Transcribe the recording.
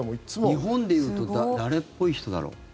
日本でいうと誰っぽい人だろう？